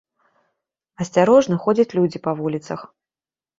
Асцярожна ходзяць людзі па вуліцах.